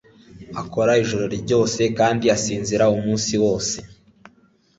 Akora ijoro ryose kandi asinzira umunsi wose.